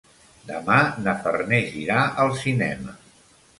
Demà na Farners irà al cinema.